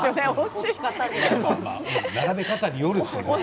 並べ方によるでしょう？